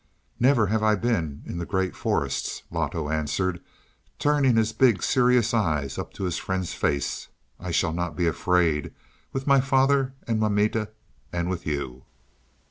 "Never have I been in the Great Forests," Loto answered, turning his big, serious eyes up to his friend's face. "I shall not be afraid with my father, and mamita, and with you."